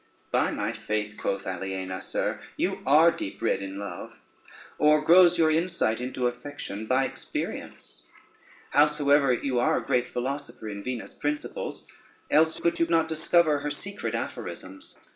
"By my faith," quoth Aliena, "sir, you are deep read in love, or grows your insight into affection by experience? Howsoever, you are a great philosopher in Venus' principles, else could you not discover her secret aphorisms.